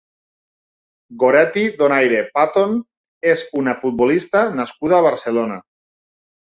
Goretti Donaire Paton és una futbolista nascuda a Barcelona.